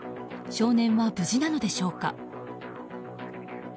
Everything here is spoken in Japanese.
少年は無事なのでしょうか。